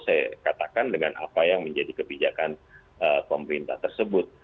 saya katakan dengan apa yang menjadi kebijakan pemerintah tersebut